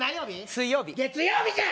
水曜日月曜日じゃ！